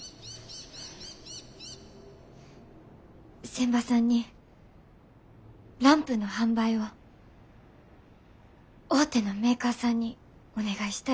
仙波さんにランプの販売を大手のメーカーさんにお願いしたいと言われました。